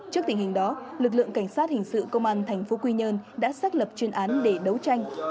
trước tình hình đó lực lượng cảnh sát hình sự công an tp quy nhơn đã xác lập chuyên án để đấu tranh